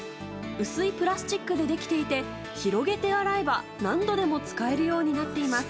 薄いプラスチックでできていて広げて洗えば、何度でも使えるようになっています。